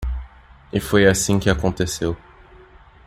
E foi assim que aconteceu.